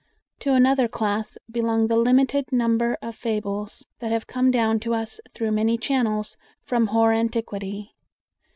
To another class belong the limited number of fables that have come down to us through many channels from hoar antiquity.